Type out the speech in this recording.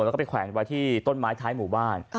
แล้วก็ไปแขวนไว้ที่ต้นไม้ท้ายหมู่บ้าน